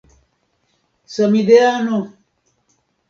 samideano